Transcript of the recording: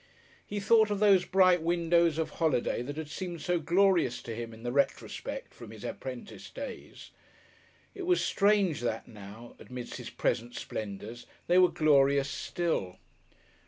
He thought of those bright windows of holiday that had seemed so glorious to him in the retrospect from his apprentice days. It was strange that now, amidst his present splendours, they were glorious still!